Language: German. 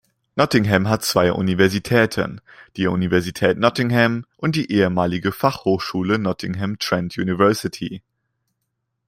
Nottingham hat zwei Universitäten, die Universität Nottingham und die ehemalige Fachhochschule Nottingham Trent University.